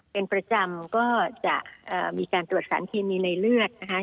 เป็นประจำก็จะมีการตรวจสารเคมีในเลือดนะคะ